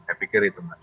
saya pikir itu